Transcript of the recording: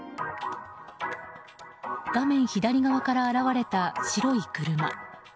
画面左側から現れた白い車。